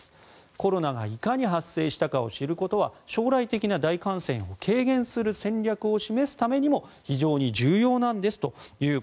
コロナがいかに発生したかを知ることは将来的な大感染を軽減する戦略を示すためにも非常に重要なんですと。